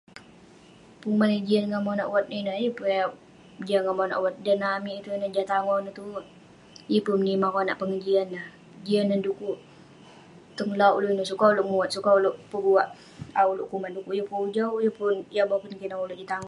Pengomen eh jian ngan monak wat ineh, yeng pun eh jian ngan monak wat..dan amik itouk ineh, jah tangoh ineh tuwerk..yeng pun menimah konak pengejian neh.. jian neh de'kuk tong lauwk ulouk ineh sukat ulouk muat, sukat ulouk peguak..au ulouk kuman..du'kuk neh yeng pun ujau yeng pun yah boken kinan ulouk..jin tangoh.